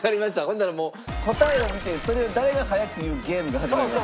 ほんならもう答えを見てそれを誰が早く言うゲームが始まります。